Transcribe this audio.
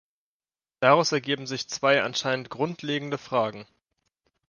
Daraus ergeben sich zwei anscheinend grundlegende Fragen.